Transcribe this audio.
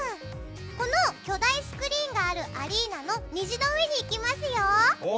この巨大スクリーンがあるアリーナの虹の上に行きますよ。